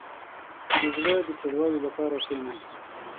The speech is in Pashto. • د زړه د سوړوالي لپاره کښېنه.